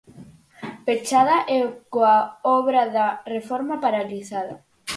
Pechada e coa obra da reforma paralizada.